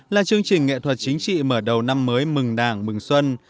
là chương trình nghệ thuật chính trị mở đầu năm mới mừng đảng mừng xuân